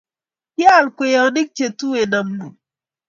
Kial kweyonik che tuen amut